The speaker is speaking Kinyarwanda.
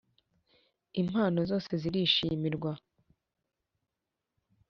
Impano zose zirishimirwa